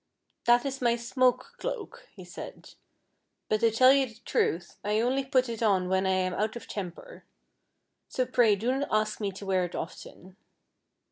"That is my smoke cloak," he said ;" but to tell you the truth I only put it on when I am out of temper. So pray do not ask me to wear it often.